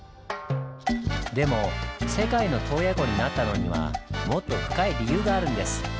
でも「世界の洞爺湖」になったのにはもっと深い理由があるんです。